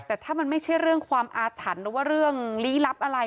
แต่ถ้ามันไม่ใช่เรื่องความอาถรรพ์หรือว่าเรื่องลี้ลับอะไร